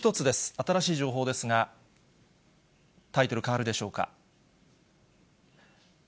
新しい情報ですが、タイトル、変わるでしょうか。